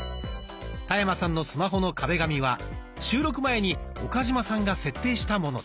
田山さんのスマホの壁紙は収録前に岡嶋さんが設定したものです。